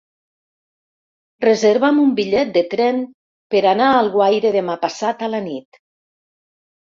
Reserva'm un bitllet de tren per anar a Alguaire demà passat a la nit.